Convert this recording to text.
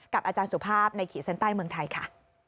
อาจารย์สุภาพในขีดเส้นใต้เมืองไทยค่ะ